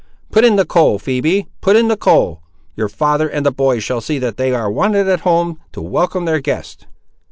Put in the coal, Phoebe; put in the coal; your father and the boys shall see that they are wanted at home, to welcome their guests."